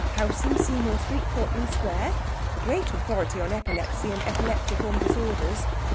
House in Seymour Street, Portman Square. Great authority on epilepsy and epileptiform disorders.